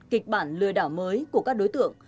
kịch bản lừa đảo mới của các đối tượng